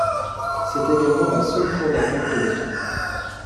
C'est également la seule cour d'appel de l'État.